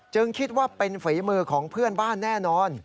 คิดว่าเป็นฝีมือของเพื่อนบ้านแน่นอน